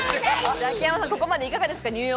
ザキヤマさん、ここまでいかがですか？